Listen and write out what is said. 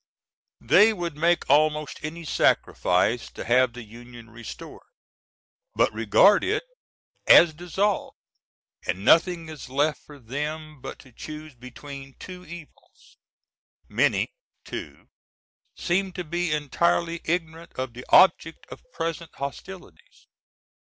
They would make almost any sacrifice to have the Union restored, but regard it as dissolved, and nothing is left for them but to choose between two evils. Many, too, seem to be entirely ignorant of the object of present hostilities.